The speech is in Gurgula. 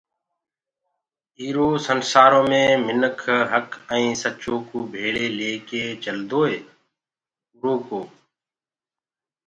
ايٚرو سنسآرو مي مِنک هَڪ ائيٚنٚ سچو ڪوٚ ڀيݪي ليڪي چلدوئي اُرو ڪوٚ